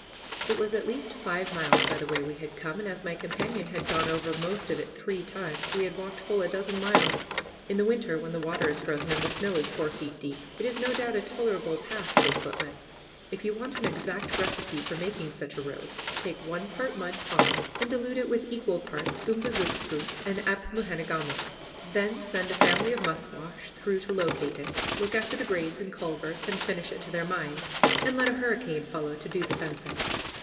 It was at least five miles by the way we had come, and as my companion had gone over most of it three times he had walked full a dozen miles. In the winter, when the water is frozen and the snow is four feet deep, it is no doubt a tolerable path to a footman. If you want an exact recipe for making such a road, take one part Mud Pond, and dilute it with equal parts of Umbazookskus and Apmoojenegamook; then send a family of musquash through to locate it, look after the grades and culverts, and finish it to their minds, and let a hurricane follow to do the fencing.